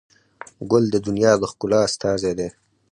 ګل د دنیا د ښکلا استازی دی.